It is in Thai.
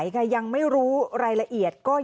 เผื่อ